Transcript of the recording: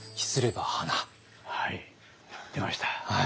はい出ました。